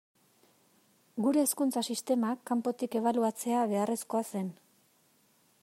Gure hezkuntza sistema kanpotik ebaluatzea beharrezkoa zen.